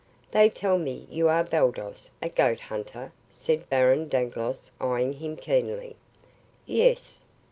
"They tell me you are Baldos, a goat hunter," said Baron Dangloss, eyeing him keenly. "Yes."